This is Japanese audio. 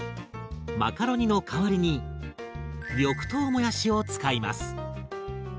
マカロニの代わりに緑豆もやしを使います。